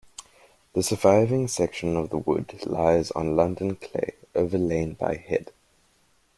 The surviving section of the wood lies on London Clay overlain by head.